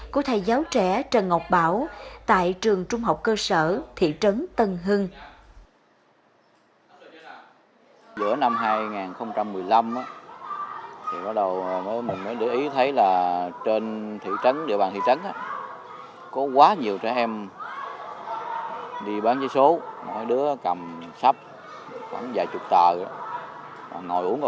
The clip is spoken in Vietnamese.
của thầy giáo trẻ trần ngọc bảo tại trường trung học cơ sở thị trấn tân hưng